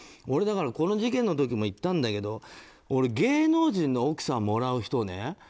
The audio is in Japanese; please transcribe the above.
だから俺この事件の時も言ったんだけど芸能人の奥さんもらう人はね